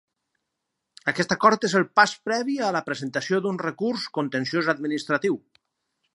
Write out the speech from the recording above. Aquest acord és el pas previ a la presentació d'un recurs contenciós-administratiu.